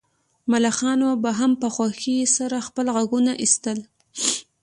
ملخانو به هم په خوښۍ سره خپل غږونه ایستل